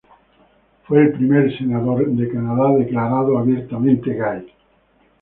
Fue el primer senador de Canadá declarado abiertamente como gay.